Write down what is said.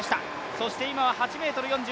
そして今は８ｍ４０。